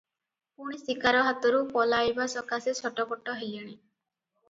ପୁଣି ଶିକାର ହାତରୁ ପଳାଇବା ସକାଶେ ଛଟପଟ ହେଲେଣି ।